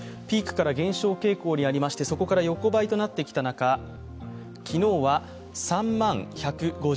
ピークから減少傾向にありまして、そこから横ばいとなってきた中、昨日は３万１５７人。